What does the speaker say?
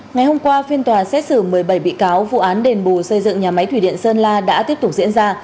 ngày hôm qua phiên tòa xét xử một mươi bảy bị cáo vụ án đền bù xây dựng nhà máy thủy điện sơn la đã tiếp tục diễn ra